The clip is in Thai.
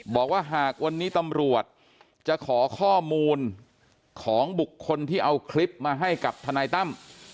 บอกว่าหากวันนี้ตำรวจจะขอข้อมูลของบุคคลที่เอาคลิปมาให้กับทนายตั้ม